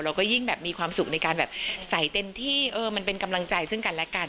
เราก็ยิ่งแบบมีความสุขในการแบบใส่เต็มที่เออมันเป็นกำลังใจซึ่งกันและกัน